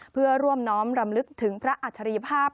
เพื่อร่วมน้อมรำลึกถึงพระอัจฉริยภาพ